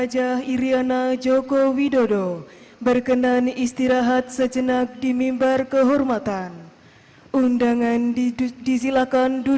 pemulihan hari bayangkara ke tujuh puluh enam di akademi kepelusian semarang jawa tengah